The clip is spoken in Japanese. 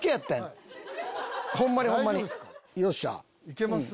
いけます？